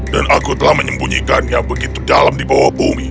dan aku telah menyembunyikannya begitu dalam di bawah bumi